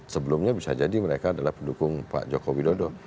sebelumnya bisa jadi mereka adalah pendukung pak joko widodo